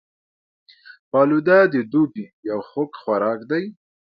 فالوده د دوبي یو خوږ خوراک دی